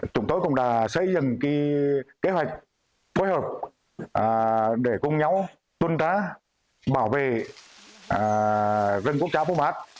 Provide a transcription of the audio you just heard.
chúng tôi cũng đã xây dựng kế hoạch phối hợp để cùng nhau tuân trá bảo vệ rừng quốc gia pumat